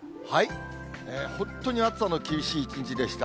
本当に暑さの厳しい一日でした。